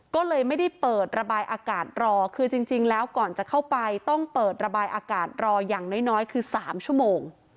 ก็เลยไม่ได้เปิดระบายอากาศรอคือจริงแล้วก่อนจะเข้าไปต้องเปิดระบายอากาศรออย่างน้อยคือ๓ชั่วโมง